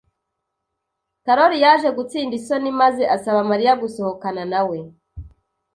Karoli yaje gutsinda isoni maze asaba Mariya gusohokana nawe.